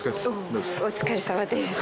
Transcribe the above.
「どうもお疲れさまです」